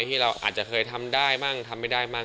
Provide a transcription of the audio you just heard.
ที่เราอาจจะเคยทำได้มั่งทำไม่ได้มั่ง